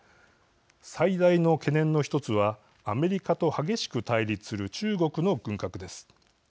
最大の懸念の一つはアメリカと激しく対立する中国の軍拡です。